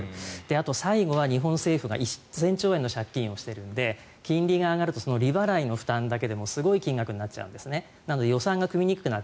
あとは最後は日本政府が１０００兆円規模の借金をしているので金利が上がると利払いの負担だけでもすごい金額になっちゃうんですね。